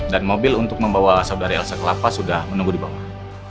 dan mobil untuk membawa saudari elsa ke lapas sudah menunggu di bawah